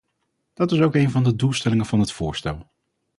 Dat is ook een van de doelstellingen van het voorstel.